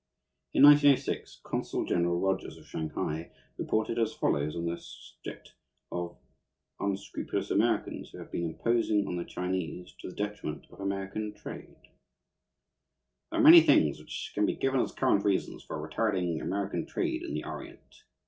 In 1906, Consul General Rodgers, of Shanghai, reported as follows on the subject of unscrupulous Americans who have been imposing on the Chinese to the detriment of American trade: "There are many things which can be given as current reasons for retarding American trade in the Orient.